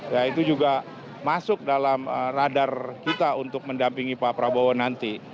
ya itu juga masuk dalam radar kita untuk mendampingi pak prabowo nanti